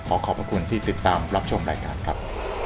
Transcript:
ขอขอบพระคุณที่ติดตามรับชมรายการครับ